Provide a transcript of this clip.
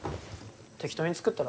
適当に作ったら？